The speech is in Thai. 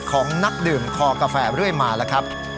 ของนักดื่มคอกาแฟด้วยมาละครับ